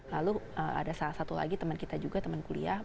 lalu ada salah satu lagi teman kita juga teman kuliah